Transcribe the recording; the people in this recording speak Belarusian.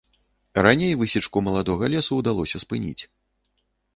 Раней высечку маладога лесу ўдалося спыніць.